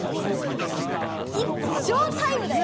イッツショータイムだよ！